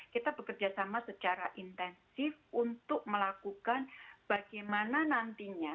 kita bekerjasama secara intensif untuk melakukan bagaimana nantinya